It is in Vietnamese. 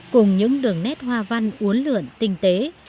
cùng những đường nét hoa văn uốn lượn tinh tế